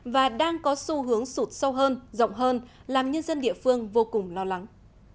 và đang có xu hướng sụt sâu hơn rộng hơn làm nhân dân địa phương vô cùng lo lắng